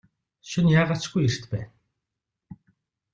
Шөнө яагаа ч үгүй эрт байна.